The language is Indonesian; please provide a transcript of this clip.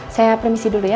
saya permisi dulu ya